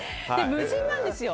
無人なんですよ。